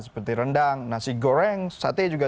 seperti rendang nasi goreng sate juga